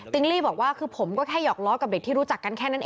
ลี่บอกว่าคือผมก็แค่หอกล้อกับเด็กที่รู้จักกันแค่นั้นเอง